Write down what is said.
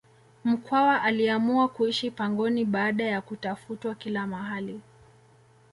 mkwawa aliamua kuishi pangoni baada ya kutafutwa kila mahali